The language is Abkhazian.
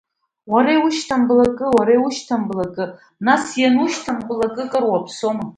Уара иушьҭам блакы, уара иушьҭам блакы, нас ианушьҭам блакы, кыр уаԥсома?